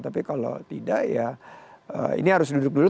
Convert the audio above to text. tapi kalau tidak ya ini harus duduk dulu